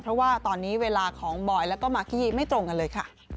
เพราะว่าตอนนี้เวลาของบอยแล้วก็มากกี้ไม่ตรงกันเลยค่ะ